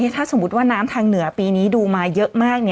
ถ้าสมมุติว่าน้ำทางเหนือปีนี้ดูมาเยอะมาก